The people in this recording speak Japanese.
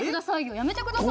やめてください！